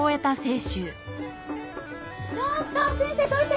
ちょっと先生どいて。